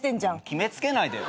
決め付けないでよ。